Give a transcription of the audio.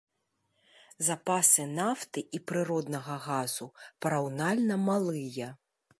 Запасы нафты і прыроднага газу параўнальна малыя.